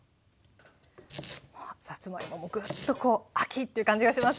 さつまいももグッと秋という感じがしますよね。